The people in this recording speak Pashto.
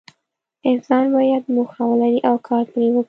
انسان باید موخه ولري او کار پرې وکړي.